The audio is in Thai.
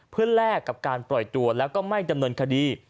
เพื่อแลกกับการปล่อยตัวแล้วก็ไม่ดำเนินคดี